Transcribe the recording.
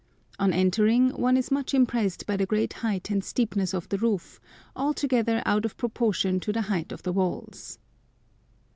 On entering, one is much impressed by the great height and steepness of the roof, altogether out of proportion to the height of the walls.